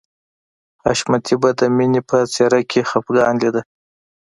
حشمتي به د مینې په څېره کې خفګان لیده